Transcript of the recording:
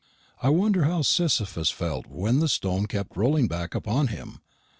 I wonder how Sisyphus felt when the stone kept rolling back upon him.